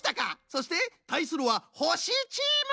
そしてたいするはほしチーム！